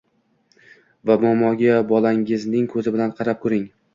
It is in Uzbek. va muammoga bolangizning ko‘zi bilan qarab ko‘ring.